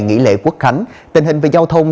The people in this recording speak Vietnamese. nghỉ lễ quốc khánh tình hình về giao thông